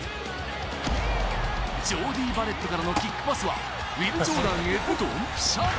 ジョーディー・バレットからのキックパスはウィル・ジョーダンへドンピシャ。